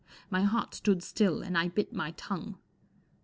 My heart stood still, and I bit my tongue.